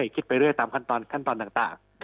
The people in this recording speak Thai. ไปเรื่อยตามขั้นตอนขั้นตอนต่าง